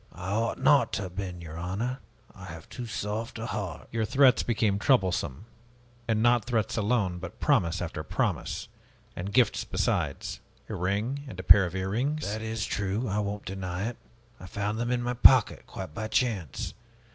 ". "I ought not to have been, your honor. I have too soft a heart." "Your threats became troublesome. And not threats alone, but promise after promise! And gifts besides, a ring and a pair of earrings " "That is true. I won't deny it. I found them in my pocket, quite by chance.